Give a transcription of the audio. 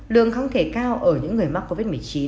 đường không thể cao ở những người mắc covid một mươi chín